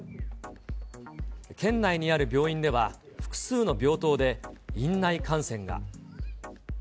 県内にある病院では複数の病棟で院内感染が。